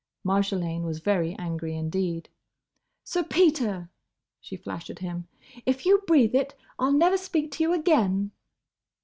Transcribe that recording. Marjolaine was very angry indeed. "Sir Peter!" she flashed at him, "If you breathe it, I 'll never speak to you again!"